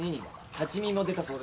立ち見も出たそうです。